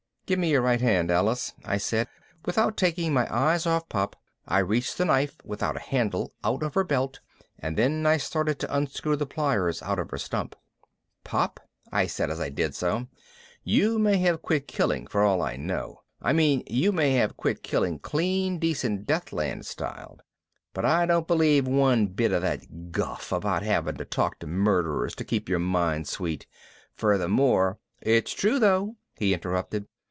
"Give me your right hand, Alice," I said. Without taking my eyes off Pop I reached the knife without a handle out of her belt and then I started to unscrew the pliers out of her stump. "Pop," I said as I did so, "you may have quit killing for all I know. I mean you may have quit killing clean decent Deathland style. But I don't believe one bit of that guff about having to talk to murderers to keep your mind sweet. Furthermore " "It's true though," he interrupted.